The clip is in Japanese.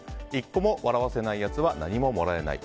１個も笑わせないやつは何ももらえない。